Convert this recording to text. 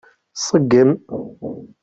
Ṣeggem.